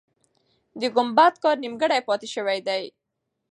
د ګمبد کار نیمګړی پاتې سوی دی.